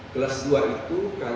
kelas dua itu kalau dihitung seharusnya